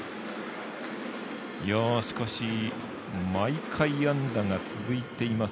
しかし、毎回安打が続いています